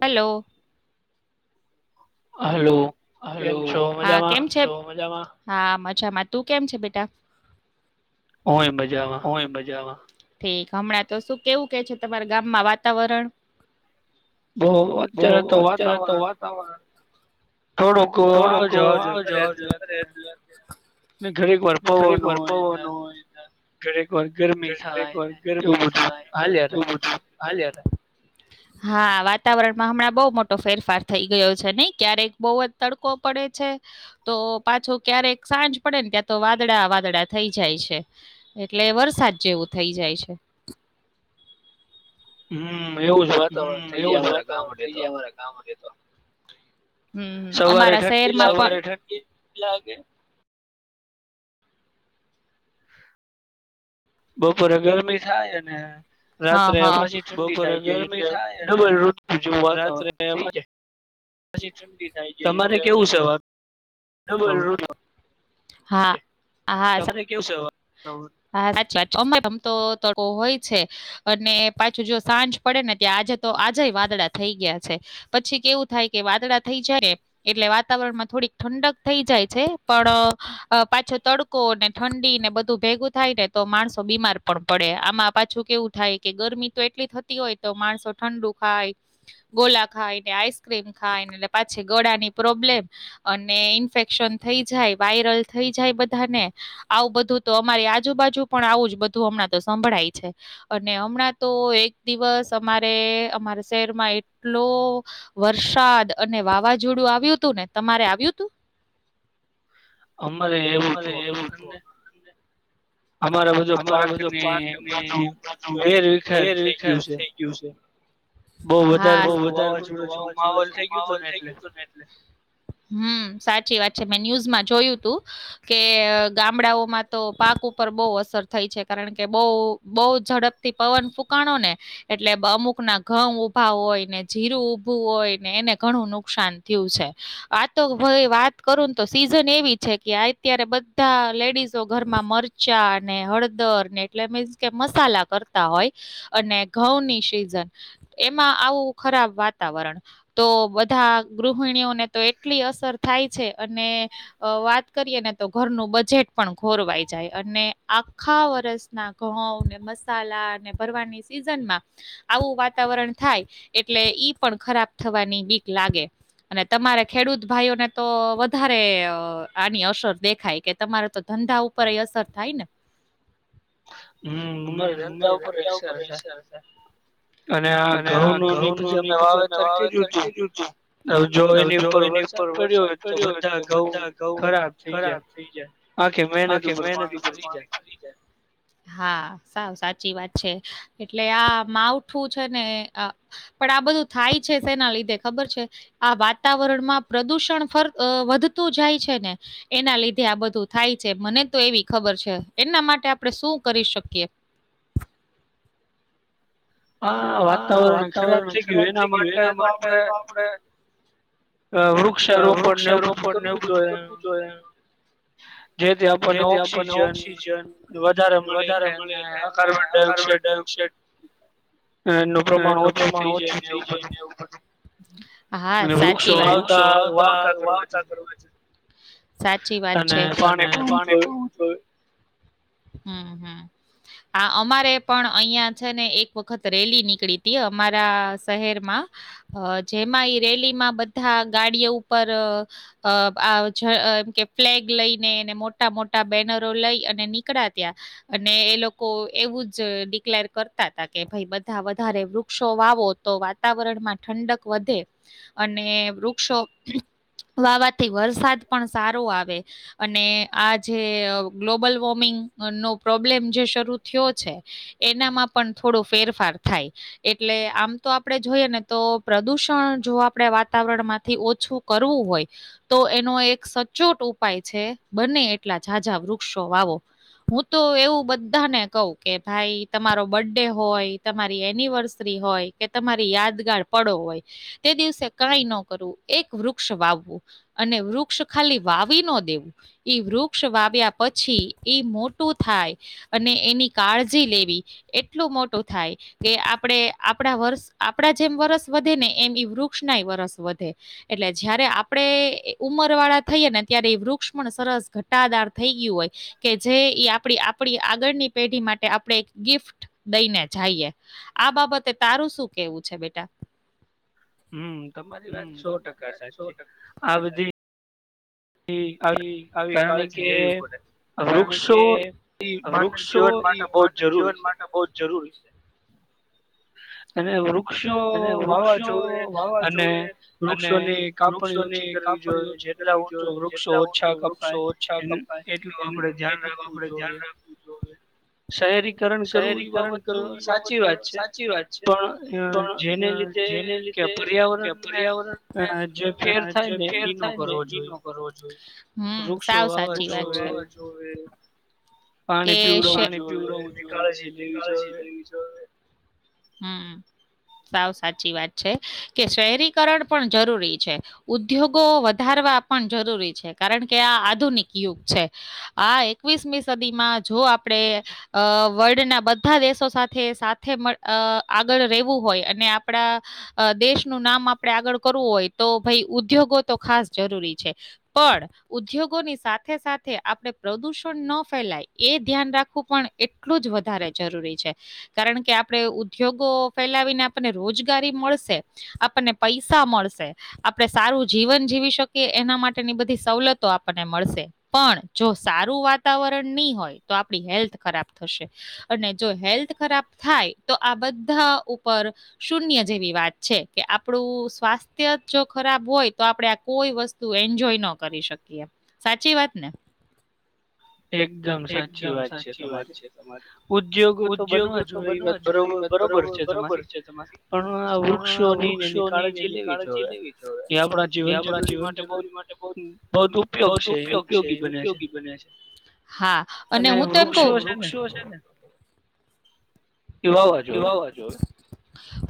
Hello. Hello. Hello હા કેમ છે. તમે મજામાં. હા મજામાં. તું કેમ છે બેટા. હુંય મજામાં. ઠીક. હમણાં તો શું કેવું કે છે તમારા ગામમાં વાતાવરણ. બહ અત્યારે તો વાતાવરણ થોડોક આવજાવ આવજાવ કરે એટલે કે ઘડિકવાર પવન હોય ને ઘડી ગરમી થાયને એવું બધું હાલ હા વાતાવરણમાં હમણાં બવ મોટો ફેરફાર થઈ ગયો છે નહી ક્યારેક બોવજ તડકો પડે છે તો પાછો ક્યારેક સાંજ પડેને ત્યાં તો વાદળા વાદળા થઈ જાય છે એટલે વરસા સાદ જેવું થઈ જાય છે. હમ. હમ એવું જ વાતાવરણ થઇ જાય અમારા ગામડે તો. થ [inaudible] હમ હમ અમારા શહેરમાં પણ [inaudible] બપોરે ગરમી થાય અને રાત્રે પછી ઠંડી થાય જાય એટલે ડબલ ઋતુ જેવું વાતાવરણ થઈ જાય. પછી ઠંડી થાય છે એટલે બોલ [inaudible] હા હા હા સાચી વાત અમમ [inaudible] તો તડકો હોય છે અને પાછું જો સાંજ પડેને ત્યાં આજે તો આજેય વાદળા થઈ ગયા છે પછી કેવું થાય કે વાદળા થઈ જાય એટલે વાતાવરણમાં થોડીક ઠંડક થઈ જાય છે. પણ પાછો તડકો ઠંડીને બધું ભેગું થાયને તો માણસો બીમાર પણ પડે આમાં પાછું કેવું થાય, કે ગરમી તો એટલી થતી હોય, તો માણસો ઠંડુ ખાય ગોલા ખાયને આઈસક્રીમ ખાયને એટલે પાછી ગળાની પ્રોબ્લેમ અને ઈન્ફેક્શન થઈ જાય વાયરલ થઈ જાય બધાને આવું બધું તો અમારી આજુબાજુ પણ આવું જ બધું હમણાં તો સંભળાય છે અને હમણાં તો એક દિવસ અમારે અમારા શહેરમાં એટલો વરસાદ અને વાવાઝોડું આવ્યું હતું ને તમારે [inaudible] અમારે એવું [inaudible] અમારા બધો પાકને બધું વેર વિખાર થઈ ગયું છે. હા બવ વધારે પડતું જેવ માહોલ થઈ ગયો છે ને એટલે. હમ સાચી વાત. છે મે ન્યુઝમાં જોયું હતું કે ગામડાઓમાં તો પાક ઉપર બહ અ સર થઈ છે કારણ કે બહ બહુ ઝડપથી પવન ફૂકાણોને એટલે અમુકના ઘઉં ઊભા હોયને જીરું ઊભું હોયને એને ઘણું નુકસાન થયું છે આ તો ભઈ વાત કરુંને તો સિઝન એવી છે કે અત્યારે બધા લેડીઝો ઘરમાં મરચાં ને હળદરને એટલે મીન્સ કે મસાલા કરતા હોય અને ઘઉંની સિઝન એમાં આવું ખરાબ વાતાવરણ તો બધા ગૃહિણીઓને તો એટલી અસર થાય છે અને વાત કરીએને તો ઘરનું બજેટ પણ ખોરવાઈ જાય અને આખા વરસના ઘઉંને મસાલાને ભરવાની સિઝનમાં આવું વાતાવરણ થાય એટલે ઈ પણ ખરાબ થવાની બીક લાગે અને તમારે ખેડૂત ભાઈઓને તો વધારે આની અસર દેખાય કે તમારે તો ધંધા ઉપર એ અસર થાય ને. હમ અમારા ધંધા ઉપર અસર થાય અને આ ઘઉં ન ની બધી અમે વાવેતર કર્યું તું જો એની ઉપર વરસાદ પડ્યો હોય તો બધા ઘઉં ખરાબ થઈ જાય આખે મહેનત ઉપર પાણી ફરી જાય હા સાવ સાચી વાત છે એટલે આ માવઠું છે ને પણ આ બધું થાય છે તેના લીધે ખબર છે આ વાતાવરણમાં પ્રદુષણર વધતું જાય છે ને એના લીધે આ બધું થાય છે મને તો એવી ખબર છે એના માટે આપણે શું કરી શકીએ હા વાતાવરણ ખરાબ થઈ ગયું એના માટે તો આપડે વૃક્ષારોપણને એવું બધું કરવું જોઈએ જેથી આપણને ઓક્સિજન વધારે મળી રહે અને આ કાર્બન ડાયોક્સાાઈડ ન પ્રમાણ ઓછું થઈ જાય ને એર અનેડું વૃક્ષો વાવતા વાવતા કરવા સાચી વાત છે હમ આ અમારે પણ અહં છે ને એક વખત રેલી નીકળી હતી અમારા શહેરમાં જેમાં ઈ રેલી માં બધા ગાડીઓ ઉપર આમ કે ફ્લેગ લઈને મોટા મોટા બેનરો લઈ અને નીકડા ત્યા અને એ લોકો એવું જ ડિક્લેર કરતા હતા કે ભાઈ બધા વધારે વૃક્ષો વાવો તો વાતાવરણમાં ઠંડક વધે અને વૃક્ષો વાવા થી વરસાદ પણ સારો આવે અને આ જે ગ્લોબલ વોર્મ પ્રોબલેમ જે શરૂ થયો છે એનામાં પણ થોડો ફેરફાર થાય એટલે આમ તો આપડણે જોઈએ ને તો પ્રદુષણ જો આપણે વાતાવરણમાંથી ઓછું કરવું હોય તો એનો એક સચોટ ઉપાય છે બને એટલા ઝઝાં વૃક્ષો વાવો હું તો એવું બધાને કહ કે ભાઈ તમારો બર્ ડે હોય તમારી એનિવર્સરી હોય કે તમારી યાદગાર પડો હોય તે દિવસે કઈ ન કરવું એક વૃક્ષ વાવવું અને વૃક્ષ ખાલી વાવી ન દેવું ઈ વૃક્ષ વાવ્યા પછી એ મોટું થાય અને એની કાળજી લેવી એટલું મોટું થાય કે આપણે આપણા વર્ષ આપણા જેમ વરસ વધે ને એમ વૃક્ષના વરસ વધે એટલે જયારે આપણે ઉંમર વાળા થઈએ ને ત્યારે એ વૃક્ષ પણ સરસ ઘટાદાર થઈ ગયું હોય કે જે આપ આપણી આગળની પેઢી માટે આપણે એક ગિફ્ટ દઈને જઈએ આ બાબતે તારું શું કેવું છે બેટા હમ તમારી વાત સો ટકા સાચી આ બધી એ આવી કાળજી લેવી પડે કારણ કે વૃક્ષો એ માનવ જીવન માટે બહ જ જરૂરી અને વૃક્ષો વાવા જોએ અને વૃક્ષોની કાપણી ઓછી કરવી જોઈએ જેટલા ઊંચો વૃક્ષો ઓછા કપાય એટલું આપડે ધ્યાન રાખવું જોઈએ શહેરી કરણ કરવું એ બાબત સાચી વાત છે. પણ જેને લીધે કે પર્યાવરણને જે ફેર થાય, ને ઈનો કરવો જોઈએ. હ, હમ સાવ સાચી વાત છે. કે પીડું જોઈએળે સાવ સાચી વાત છે કે શહેરીકરણ પણ જરૂરી છે ઉદ્યોગો વધારવા પણ જરૂરી છે કારણ કે આ આધુનિક યુગ છે આ એકવીસમી સદી માં જો આપણે વર્લ્ડના બધા દેશો સાથે સાથે આગળ રહેવું હોય અને આપણા દેશનુંું નામ આપણે આગળ કરવું હોય તો ભાઈ ઉદ્યોગો તો ખાસ જરૂરી છે પણ ઉદ્યોગોની સાથે સાથે આપણે પ્રદુષણ ન ફેલાય એ ધ્યાન રાખવું પણ એટલું જ વધારે જરૂરી છે કારણ કે આપણે ઉદ્યોગો ફેલાવીને આપણને રોજગારી મળશે આપણને પૈસા મળશે આપણે સારું જીવન જીવી શકીએ એના માટેની બધી સવલતો આપણને મળશે પણ જો સારું વાતાવરણ નહી હોય તો આપડી હેલ્થ ખરાબ થશે અને જો હેલ્થ ખરાબ થાય તો આ બધા ઉપર શૂન્ય જેવી વાત છે કે આપણું સ્વાસ્થ્ય જો ખરાબ હોય તો આપણે આ કોઈ વસ્તુ એન્જય ન કરી શકીએ સાચી વાત ને એકદમ સાચી વાત છે તમારી ઉદ્યોગો તો બનવા જોએ એ વાત બરોબર બરોબર છે તમારી પણ આ વૃક્ષોની એની કાળજી લેવી જોઈએ એ આપણા જીવન જરૂરી માટે બહ બહ ઉપયોગ છે ઉપયોગી બને છે અને હું તેમમ ક વૃક્ષો છેને કેવાવા જોોએ.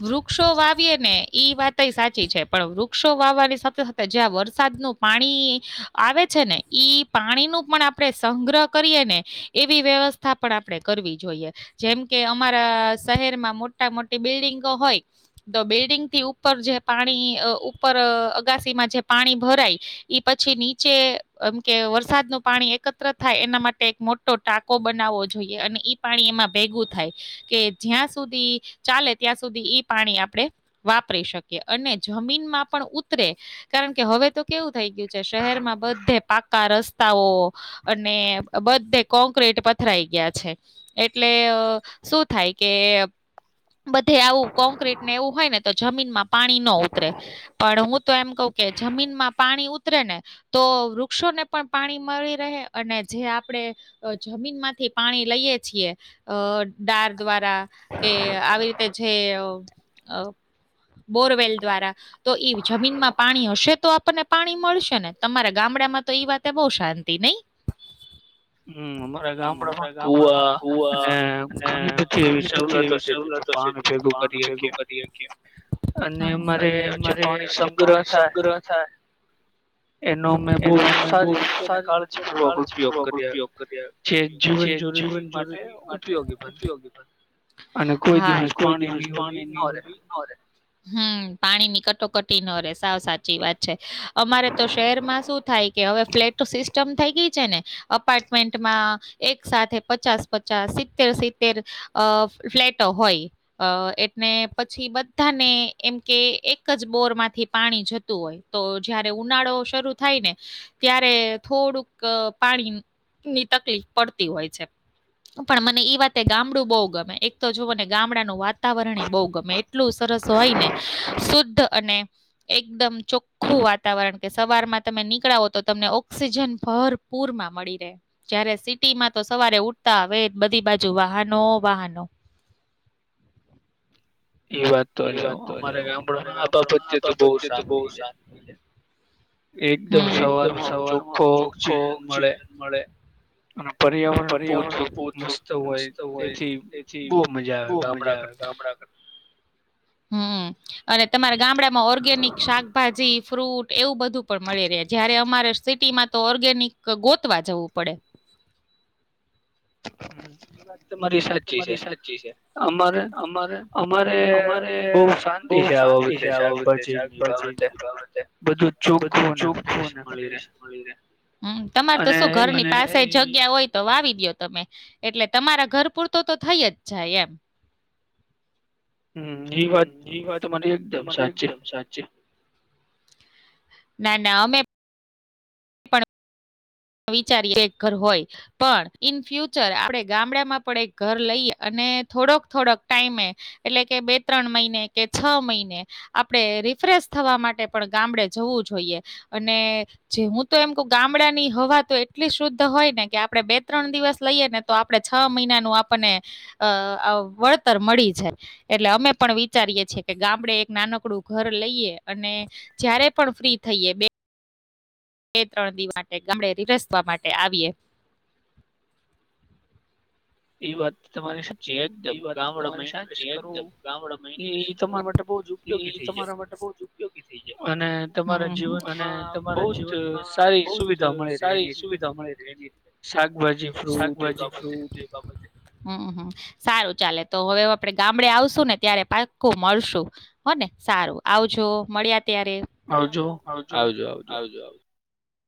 વૃક્ષો વાવીએે ને ઈ વાત સાચી છે. પણ વૃક્ષો વાવવાની સાથે સાથે જ્યાં વરસાદનું પાણી આવે છે ને ઈ પાણી નું પણ આપણે સંગ્રહ કરીએ ને એવી વ્યવસ્થા પણ આપડણે કરવી જોઈએ. જેમ કે અમારા શહેરમાં મોટા મોટી બિલ્ડીિંગો હોય. તો બિલ્ડિંગ થી ઉપર જે પાણી ઉપર અગાસીમાં જે પાણી ભરાય પછી નીચે એમ કે વરસાદનું પાણી એકત્ર થાય એના માટે એક મોટો ટાકો બનાવવો જોઈએ અને ઈ પાણી એમાં ભેગું થાય કે. જ્યાં સુધી ચાલે ત્યાં સુધી ઈ પાણી આપણે વાપરી શકીએ અને જમીનમાં પણ ઉતરે કારણ કે હવે તો કેવું થઈ ગયું છે શહેરમાં બધે પાકા રસ્તાઓ અને બધે કોંક્રીટ પથરાઈ ગયા છે. એટલે શું થાય કે બધે આવું કોક્રીટ ને એવું હોય ને તો જમીનમાં પાણી ન ઉતરે. પણ હું તો એમ કહ કે જમીનમાં પાણી ઉતરે ને તો વૃક્ષોને પણ પાણી મળી રહે અને જે આપણે જમીનમાંથી પાણી લઈએ છીએ. દ્વારા કે આવી રીતે જે બોરવેલ દ્વારા તો ઈ જમીનમાં પાણી હશે તો આપણને પાણી મળશે ને તમારા ગામડામાં તો વાતે બહ શાંતિ નહી. હમ અમારા ગામડામાં કુવા અને ઘણી બધી ઘણી પછી એવી સવલતો છે. પાણી ભેગું કરી અને જે પાણી સંગ્રહ થાય એનો અમે બહ સારી રીતે કાળજી ઉપયોગ જે જીવન જરૂરી માટે ઉપયોગી અને કોઈ દિવસ પાણી [inaudible] હમ પાણી ની કટોકટી ન રે સાવ સાચી વાત છે અમારે તો શહેરમાં શું થાય કે હવે ફ્લેટ સિસ્ટમ થઈ ગઈ છે ને અપાર્ટમેન્ટમાં એક સાથે પચાસ પચાસ સિત્તેર સિત્તેર અ ફ્લેટો હોય અ એટને પછી બધાને એમ કે એક જ બોરમાંથી પાણી જતું હોય તો જયારે ઉનાળો શરૂ થાય ને ત્યારે થોડુંક પાણીની તકલીફ પડતી હોય છે પણ મને ઈ વાતે ગામડું બો ગમે એક તો જોુઓ ને ગામડાનું વાત વાતાવરણે એ બો ગમે એટલું સરસ હોય ને શુદ્ધ અને એકદમ ચોખ્ખું વાતાવરણ કે સવારમાં તમે નીકળો તો તમને ઓક્સિજન ભરપૂરમાં મળી રહે જય્યારે સિટીમાં તો સવારે ઉઠતા આવે બધી બાજુ વાહનો વાહનો એ વાત તો [unintelligible] અમારા ગામડામાં આ બાબત્ય તો બો શાંતિ છે એકદમ સવારમાં ચોખ્ખો ઓક્સિજન મળે પર્યાવરણ બો મસ્ત હોય તેથી બો મજા આવે ગામડા કરતા હુ અને તમારે ગામડામાં ઓર્ગેનિક શાકભાજી ફ્રૂટ એવું બધું પણ મળી રહે જયારે અમારે સિટીમાં તો ઓર્ગેનિક ગોતવા જવું પડે [inaudible] તમારી સાચી છે અમારે અમારે બો શાંતિ છે આ બાબતે શાકભાજીની બાબતે બધું ચોખ્ખું અને ફેશ મળી રહે હુ તમારે શું ઘરની પાસે જગ્યા હોય તો વાવી દો તમે એટલે તમારા ઘર પૂરતુ તો તો થઈ જ જાય એમ હમ એ વાત તમારી એકદમ સાચી ના ના અમે વિચારીએ એક ઘર હોય પણ ઈન ફ્યુચર આપણે ગામડામાં પણ એક ઘર લઈ અને થોડોક થોડક ટાઈમે એટલે કે બે ત્રણ મહિને કે છ મહિને આપણે રિફ્રેશ થવા માટે પણ ગામડે જવું જોઈએ અને જે હું તો એમ ક ગામડાની હવા તો એટલી શુદ્ધ હોય ને કે આપણે બે ત્રણ દિવસ લઈએ ને તો આપડણે છ મહિનાનું આપણને અ વળતર મળી જાય એટલે અમે પણ વિચારીએ છીએ કે ગામડે એક નાનકડું ઘર લઈએ અને જયારે પણ ફ્રી થઈએ બે બે ત્રણ [inaudible] માટે ગામડેરીરસવા માટે આવીએ એ વાત તમારી સા એ વાત તમારી સાચી એકદમ ગામડમાં કરવું એ તમારા માટે બહ જ ઉપયોગી થઈ જાય હું અને તમારા જીવનમાં બો જ સારી સુવિધા મળી રહેલી શાકભાજી ફ્રૂટ એ બાબતે હમ હમ સારું ચાલે તો હવે આપડે ગામડે આવશું ને ત્યારે પાક્કું મળશું હો ને સારું આવજો મળ્યા ત્યારે આવજો આવજો આવજ